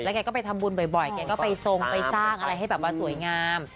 แกก็ไปทำบุญบ่อยแกก็ไปทรงไปสร้างอะไรให้แบบว่าสวยงาม